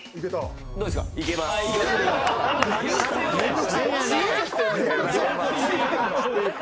どうですか？